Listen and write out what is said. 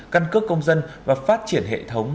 căn cước công dân và phát triển hệ thống